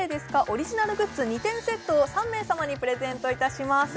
オリジナルグッズ２点セットを３名様にプレゼントいたします